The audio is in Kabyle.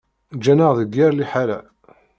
Ǧǧan-aɣ deg yir liḥala.